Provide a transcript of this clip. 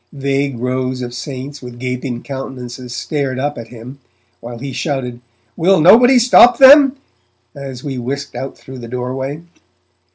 Vague rows of 'saints' with gaping countenances stared up at him, while he shouted, 'Will nobody stop them? as we whisked out through the doorway.